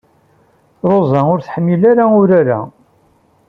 Ṛuza ur tḥemmel urar-a.